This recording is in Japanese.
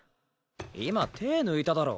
今手抜いただろ。